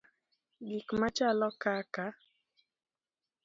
Gik machalo kaka